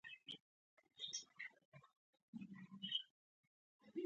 چې د حج پیسې سپما کړي.